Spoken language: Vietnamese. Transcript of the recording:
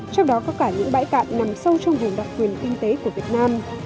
trong đó có cả những bãi cạn nằm sâu trong vùng đặc quyền kinh tế của việt nam